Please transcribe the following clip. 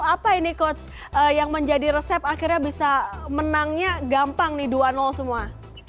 apa ini coach yang menjadi resep akhirnya bisa menangnya gampang nih dua semua